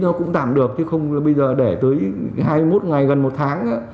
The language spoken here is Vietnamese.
nếu tôi cũng tạm được bây giờ để tới hai mươi một ngày gần một tháng